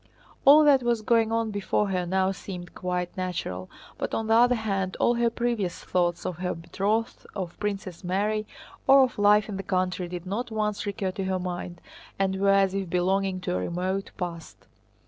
All that was going on before her now seemed quite natural, but on the other hand all her previous thoughts of her betrothed, of Princess Mary, or of life in the country did not once recur to her mind and were as if belonging to a remote past.